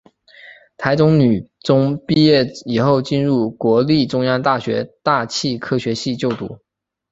台中女中毕业以后进入国立中央大学大气科学系就读。